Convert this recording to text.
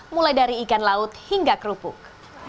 mulai dari ikan laut hingga kerupuk